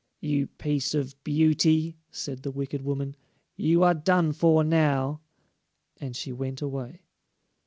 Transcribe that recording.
"You piece of beauty," said the wicked woman, "you are done for now," and she went away.